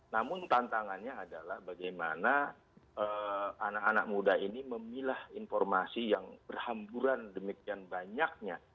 namun tantangannya adalah bagaimana anak anak muda ini memilah informasi yang berhamburan demikian banyaknya